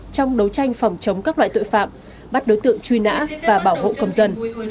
trong đấu tranh phòng chống các loại tội phạm bắt đối tượng truy nã và bảo hộ công dân